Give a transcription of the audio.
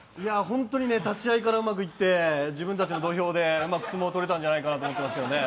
ホントに立合からうまくいって自分たちの土俵でうまく相撲とれたんじゃないかと思いますけどね。